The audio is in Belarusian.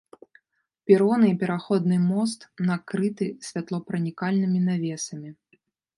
Пероны і пераходны мост накрыты святлопранікальнымі навесамі.